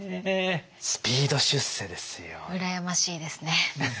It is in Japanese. スピード出世ですよ。